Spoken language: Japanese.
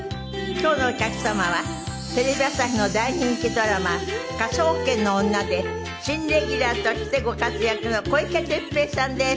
今日のお客様はテレビ朝日の大人気ドラマ『科捜研の女』で新レギュラーとしてご活躍の小池徹平さんです。